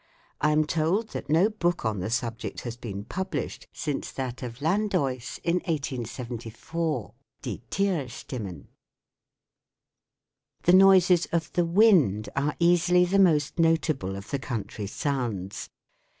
I am told that no book on the subject has been published since that of Landois in 1874, Die Thierstimmen. The noises of the wind are easily the most notable of the country sounds.